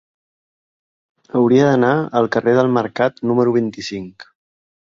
Hauria d'anar al carrer del Mercat número vint-i-cinc.